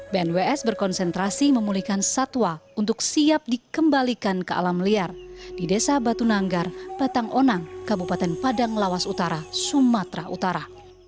bnws berkonsentrasi memulihkan satwa untuk siap dikembalikan ke alam liar di desa batu nanggar batang onang kabupaten padang lawas utara sumatera utara